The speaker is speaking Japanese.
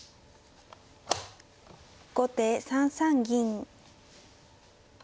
後手３三銀。